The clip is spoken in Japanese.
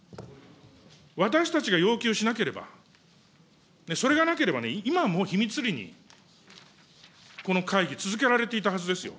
私たちが要求しなければ、それがなければね、今も秘密裏にこの会議、続けられていたはずですよ。